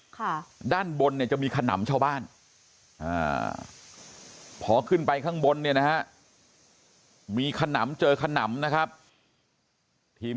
เขาบอกว่าถึงแม้วันนี้จะพบรอยเท้าใหม่แต่เพื่อให้เกิดความชัดเจน๑๐๐ก็ต้องรอผลการพิสูจน์ทราบด้วยว่ามันใช่รอยเท้าเสียแป้งจริงไหม